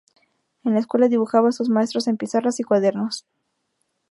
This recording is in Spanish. En la escuela dibujaba a sus maestros en pizarras y cuadernos.